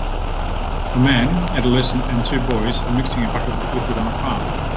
A man, adolescent and two boys are mixing a bucket with liquid on a farm.